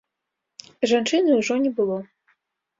Жанчыны ўжо не было.